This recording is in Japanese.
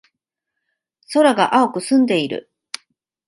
空が青く澄んでいる。